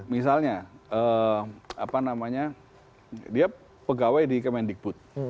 misalnya apa namanya dia pegawai di kemendikbud